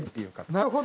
なるほど。